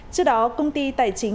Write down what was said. trước đó công ty tài chính